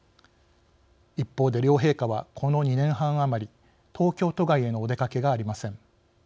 一方で両陛下はこの２年半余り東京都外へのお出かけがありません。